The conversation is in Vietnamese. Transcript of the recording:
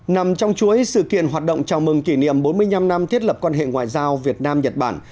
nằm trong chuỗi sự kiện hoạt động chào mừng kỷ niệm bốn mươi năm năm thiết lập quan hệ ngoại giao việt nam nhật bản